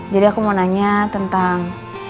jadi aku mau nanya tentang